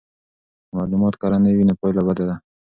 که معلومات کره نه وي نو پایله بده ده.